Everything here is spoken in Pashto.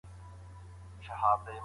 صنعتي ژوند تر کرنیز ژوند ډیر پیچلی دی.